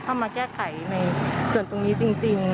มาแก้ไขในส่วนตรงนี้จริง